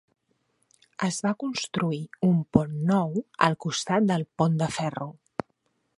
Es va construir un pont nou al costat del pont de ferro.